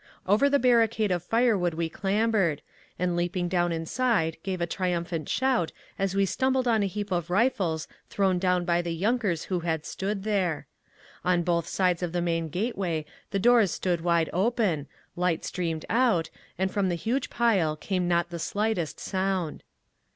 Over the barricade of firewood we clambered, and leaping down inside gave a triumphant shout as we stumbled on a heap of rifles thrown down by the yunkers who had stood there. On both sides of the main gateway the doors stood wide open, light streamed out, and from the huge pile came not the slightest sound.